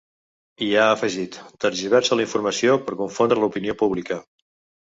I ha afegit: Tergiversa la informació per confondre l’opinió pública.